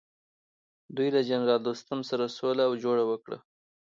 دوی له جنرال دوستم سره سوله او جوړه وکړه.